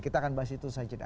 kita akan bahas itu saja